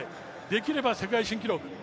できれば世界新記録。